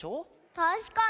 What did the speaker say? たしかに。